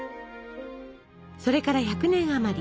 それから１００年あまり。